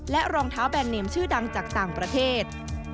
รองเท้าแบรนเนมชื่อดังจากต่างประเทศ